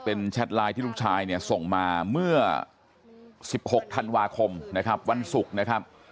เป็นแชทไลน์ที่ลูกชายเนี่ยส่งมาเมื่อ๑๖ธันวาคมนะครับวันศุกร์นะครับ